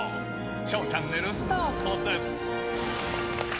ＳＨＯＷチャンネルスタートです。